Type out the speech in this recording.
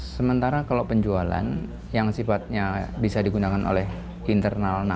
sementara kalau penjualan yang sifatnya bisa digunakan oleh internal